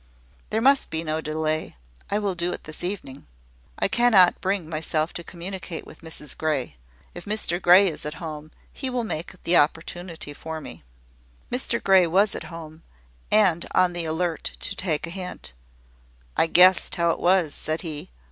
There must be no delay: I will do it this evening. I cannot bring myself to communicate with Mrs Grey. If Mr Grey is at home, he will make the opportunity for me." Mr Grey was at home, and on the alert to take a hint. "I guessed how it was," said he.